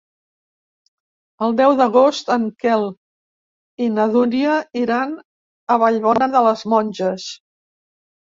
El deu d'agost en Quel i na Dúnia iran a Vallbona de les Monges.